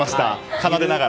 奏でながら。